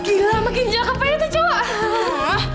gila makin jangkaf aja tuh cewek